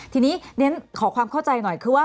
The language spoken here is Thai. ทีนี้เรนขอความเข้าใจหน่อย